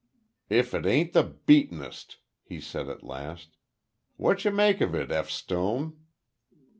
"If it ain't the beatin'est!" he said, at last. "Whatcha make of it, F. Stone?"